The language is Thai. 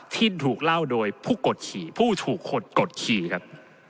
ที่ถูกเล่าโดยผู้กดขี่ผู้ถูกกดขี่ครับ